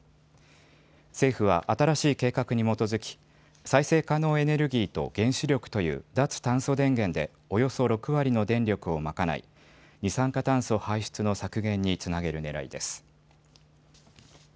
政府は新しい計画に基づき再生可能エネルギーと原子力という脱炭素電源でおよそ６割の電力を賄い二酸化炭素排出の削減につなげるねらいです。